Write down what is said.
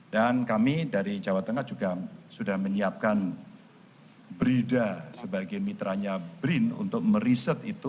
dan kami dari jawa tengah juga sudah menyiapkan brida sebagai mitranya brin untuk meriset itu